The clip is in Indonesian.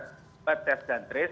empat tes dan tris